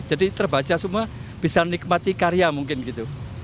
jadi terbaca semua bisa nikmati karya mungkin gitu